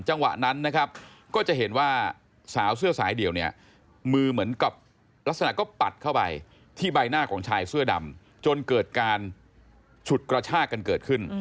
จังหวะนั้นนะครับก็จะเห็นว่าสาวเสื้อสายเดี่ยวเนี่ยมือเหมือนกับลักษณะก็ปัดเข้าไปที่ใบหน้าของชายเสื้อดำจนเกิดการฉุดกระชากกันเกิดขึ้น